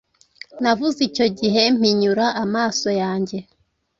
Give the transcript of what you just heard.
Navuze icyo gihe mpinyura amaso yanjye